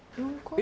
え！